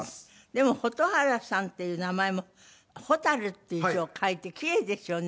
でも蛍原さんっていう名前も「蛍」っていう字を書いて奇麗ですよね